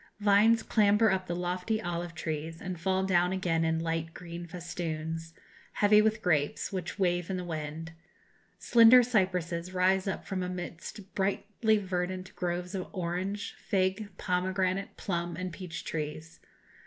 Vines clamber up into the lofty olive trees, and fall down again in light green festoons, heavy with grapes, which wave in the wind. Slender cypresses rise up from amidst brightly verdant groves of orange, fig, pomegranate, plum, and peach trees.